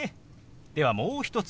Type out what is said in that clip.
ではもう一つ。